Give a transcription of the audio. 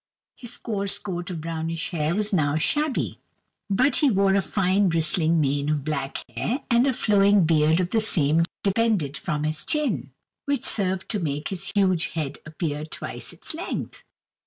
His coarse coat of brownish hair was now shabby, but he wore a fine, bristling mane of black hair, and a flowing beard of the same depended from his chin, which served to make his huge head appear twice its length.